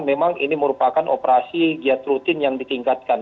memang ini merupakan operasi giat rutin yang ditingkatkan